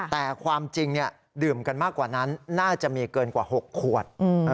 แต่ความจริงดื่มกันมากกว่านั้นน่าจะมีเกินกว่า๖ขวด